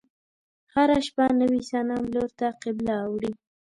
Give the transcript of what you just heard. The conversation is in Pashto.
هره شپه نوي صنم لور ته قبله اوړي.